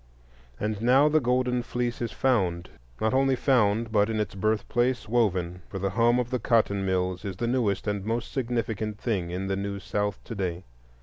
And now the golden fleece is found; not only found, but, in its birthplace, woven. For the hum of the cotton mills is the newest and most significant thing in the New South to day.